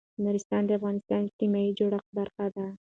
نورستان د افغانستان د اجتماعي جوړښت برخه ده.